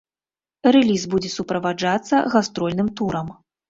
Рэліз будзе суправаджацца гастрольным турам.